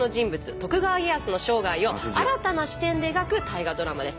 徳川家康の生涯を新たな視点で描く大河ドラマです。